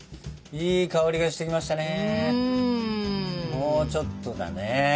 もうちょっとだね。